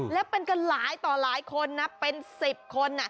แล้วเป็นกันหลายต่อหลายคนนะเป็น๑๐คน